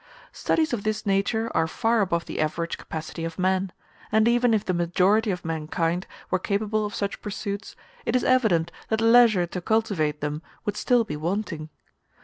Studies of this nature are far above the average capacity of men; and even if the majority of mankind were capable of such pursuits, it is evident that leisure to cultivate them would still be wanting.